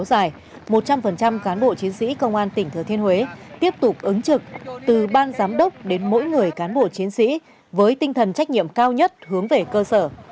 trong cán bộ chiến sĩ công an tỉnh thừa thiên huế tiếp tục ứng trực từ ban giám đốc đến mỗi người cán bộ chiến sĩ với tinh thần trách nhiệm cao nhất hướng về cơ sở